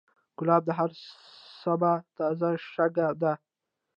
ګلاب د هر سبا تازه شګه ده.